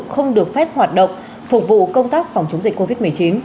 không được phép hoạt động phục vụ công tác phòng chống dịch covid một mươi chín